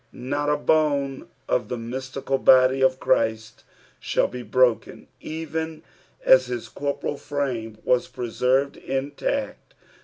Not a bone of the mystical body of Christ shall be broken, even as his corporeal frame was preserved intact.